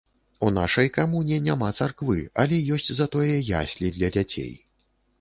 У нашай камуне няма царквы, але ёсць затое яслі для дзяцей.